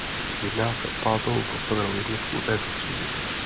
Jedná se o pátou postavenou jednotku této třídy.